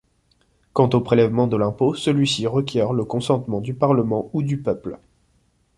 Quant au prélèvement de l'impôt, celui-ci requiert le consentement du parlement ou du peuple.